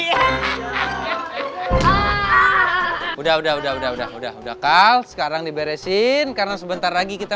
udah udah udah udah udah udah udah udah kal sekarang diberesin karena sebentar lagi kita